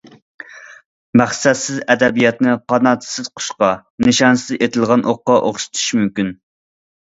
مەقسەتسىز ئەدەبىياتنى قاناتسىز قۇشقا، نىشانسىز ئېتىلغان ئوققا ئوخشىتىش مۇمكىن.